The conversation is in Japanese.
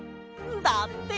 だって。